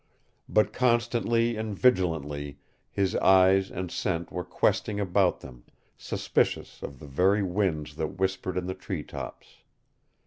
But constantly and vigilantly his eyes and scent were questing about them, suspicious of the very winds that whispered in the treetops.